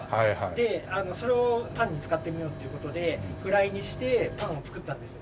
でそれをパンに使ってみようっていう事でフライにしてパンを作ったんですね。